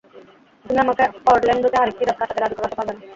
তুমি আমাকে অরল্যান্ডোতে আরেকটি রাত কাটাতে রাজী করাতে পারবে না।